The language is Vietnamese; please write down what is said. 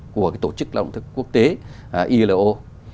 của tổ chức lao động thực quốc tế ilo